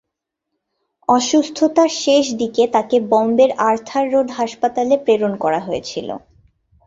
অসুস্থতার শেষ দিকে বোম্বের আর্থার রোড হাসপাতালে তাকে প্রেরণ করা হয়েছিল।